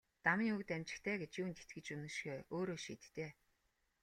Дамын үг дамжигтай гэж юунд итгэж үнэмшихээ өөрөө шийд дээ.